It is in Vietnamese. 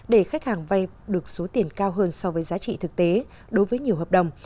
để khách hàng vay được số tiền cao hơn so với giá trị thực tế đối với nhiều hợp đồng